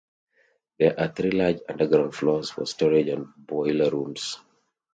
There are three large underground floors for storage and boiler rooms.